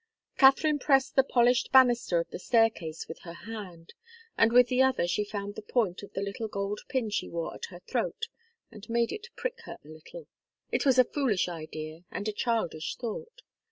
Katharine pressed the polished banister of the staircase with her hand, and with the other she found the point of the little gold pin she wore at her throat and made it prick her a little. It was a foolish idea and a childish thought.